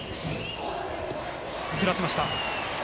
振らせました。